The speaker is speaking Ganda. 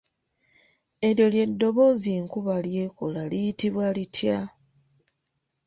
Eryo ly’eddoboozi enkuba ly’ekola liyitibwa litya?